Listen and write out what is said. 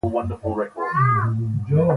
کلاسیکو غزلونو کې مې ذوقافیتین نه دی لیدلی.